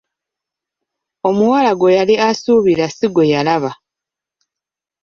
Omuwala gwe yali asuubira si gwe yalaba!